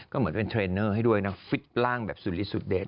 ก็เหมือนเป็นเทรนเนอร์ให้ด้วยนะฟิตร่างแบบสุริสุดเด็ด